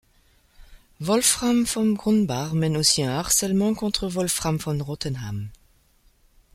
Wolfram von Grumbach mène aussi un harcèlement contre Wolfram von Rotenhan.